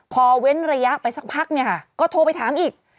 พอเว้นระยะไปสักพักเนี่ยค่ะก็โทรไปถามอีก